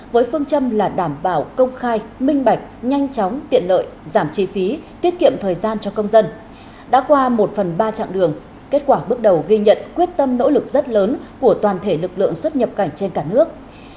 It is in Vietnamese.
với phương châm là đảm bảo công khai minh bạch nhanh chóng tiện lợi giảm chi phí tiết kiệm thời gian cho công dân đã qua một phần ba chặng đường kết quả bước đầu ghi nhận quyết tâm nỗ lực rất lớn của toàn thể lực lượng xuất nhập cảnh trên cả nước